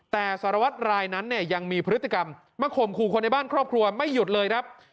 แต่สารวัตรรายนั้นเนี่ยยังมีพฤติกรรมมาข่มขู่คนในบ้านครอบครัวไม่หยุดเลยครับ